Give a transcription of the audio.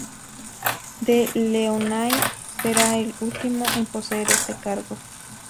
De Launay será el último en poseer este cargo.